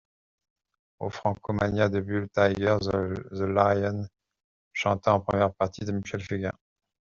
Aux Francomanias de Bulle Tiger the Lion chanta en première partie de Michel Fugain.